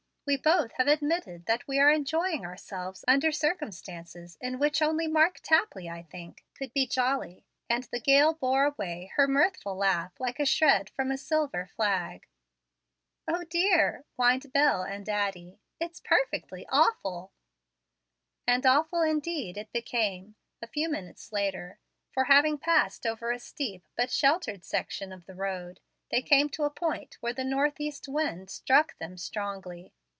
We both have admitted that we are enjoying ourselves under circumstances in which only Mark Tapley, I think, could be 'jolly';" and the gale bore away her mirthful laugh like a shred from a silver flag. "O dear!" whined Bel and Addie; "it's perfectly awful." And awful, indeed, it became, a few minutes later; for, having passed over a steep but sheltered section of the road, they came to a point where the north east wind struck them strongly.